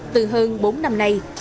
từ hơn bốn năm nay